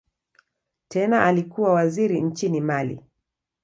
Tena alikuwa waziri nchini Mali.